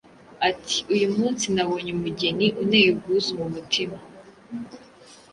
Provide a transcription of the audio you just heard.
ati «Uyu munsi nabonye umugeni unteye ubwuzu mu mutima,